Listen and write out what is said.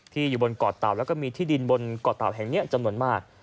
อยู่บนเกาะเต่าแล้วก็มีที่ดินบนเกาะเต่าแห่งนี้จำนวนมาก